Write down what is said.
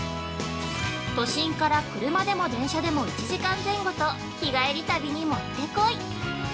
都心から車でも電車でも１時間前後と日帰り旅に持ってこい。